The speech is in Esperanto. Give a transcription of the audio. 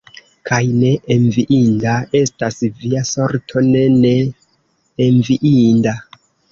Kaj ne enviinda estas via sorto, ne, ne enviinda!